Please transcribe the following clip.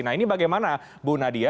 nah ini bagaimana bu nadia